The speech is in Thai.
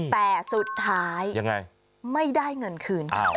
แต่สุดท้ายไม่ได้เงินคืน